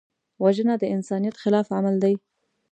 وژنه د انسانیت خلاف عمل دی